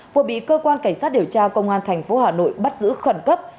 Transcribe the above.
vừa bị cơ quan cảnh sát điều tra công an thành phố hà nội bắt giữ khẩn cấp